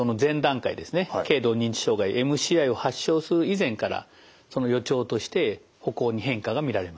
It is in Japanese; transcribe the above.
軽度認知障害ＭＣＩを発症する以前からその予兆として歩行に変化が見られます。